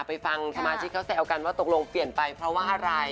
ไปฟังคำมาตย์ที่เขาแสวกันว่าตกลงเปลี่ยนไปเพราะอะไร